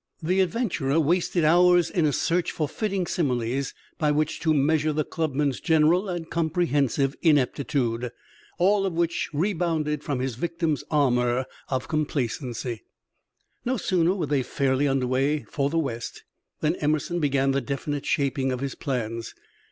The adventurer wasted hours in a search for fitting similes by which to measure the clubman's general and comprehensive ineptitude, all of which rebounded from his victim's armor of complacency. No sooner were they fairly under way for the West than Emerson began the definite shaping of his plans.